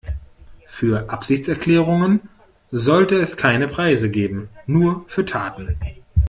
Für Absichtserklärungen sollte es keine Preise geben, nur für Taten.